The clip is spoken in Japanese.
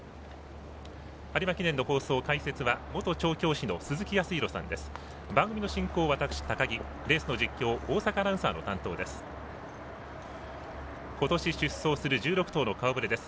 有馬記念の放送、解説は元調教師の鈴木康弘さんです。